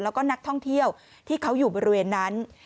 แล้วก็นักท่องเที่ยวที่เขาอยู่บริเวณนั้น